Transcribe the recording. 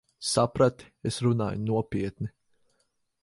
Saprati? Es runāju nopietni.